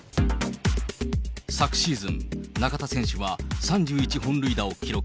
昨シーズン、中田選手は３１本塁打を記録。